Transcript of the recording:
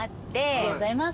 ありがとうございます。